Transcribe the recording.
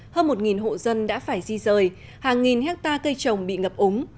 hơn một hộ dân đã phải di rời hàng nghìn hectare cây trồng bị ngập úng